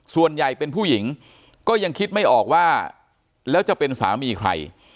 ส่วนใหญ่เป็นผู้หญิงก็ยังคิดไม่ออกว่าแล้วจะเป็นสามีใคร